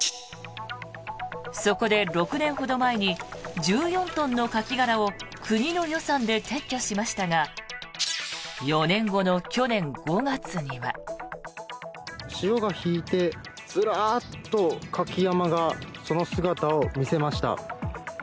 そこで６年ほど前に１４トンのカキ殻を国の予算で撤去しましたが４年後の去年５月には。潮が引いて、ずらっとカキ山がその姿を見せました。